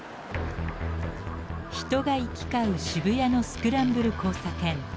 人が行き交う渋谷のスクランブル交差点。